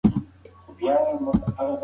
تعلیم د خلکو د فکر آزادۍ ته وده ورکوي.